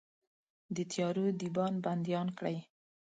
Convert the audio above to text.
د تیارو دیبان بنديان کړئ